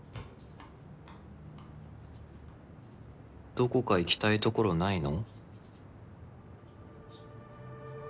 どこか行きたい所ないの？